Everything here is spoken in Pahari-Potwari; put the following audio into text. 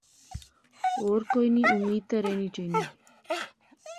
ہور کوئی نی امید تے رخنی چاینی